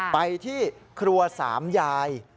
ไปที่ครัวสามยาย